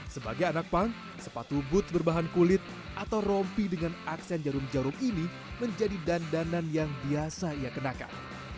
sebagai anak punk sepatu booth berbahan kulit atau rompi dengan aksen jarum jarum ini menjadi dandanan yang biasa ia kenakan